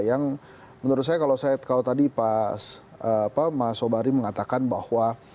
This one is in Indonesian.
yang menurut saya kalau tadi pak mas sobari mengatakan bahwa